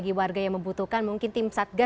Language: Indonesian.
karena kan memang sistemnya